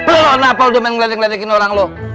bro nafal udah main ngeledek ngeledekin orang lo